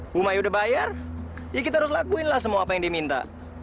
humay udah bayar ya kita harus lakuin lah semua apa yang diminta